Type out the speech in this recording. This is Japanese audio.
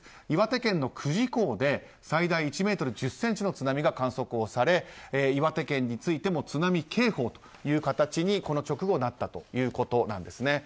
岩手県の久慈港で最大１ｍ１０ｃｍの津波が観測され岩手県についても津波警報という形にこの直後なったということです。